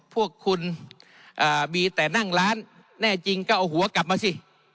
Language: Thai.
พวกคุณมีแต่นั่งร้านแน่จริงก็เอาหัวกลับมาสิ